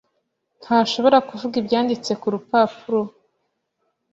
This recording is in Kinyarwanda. Ntashobora kuvuga ibyanditse kurupapuro.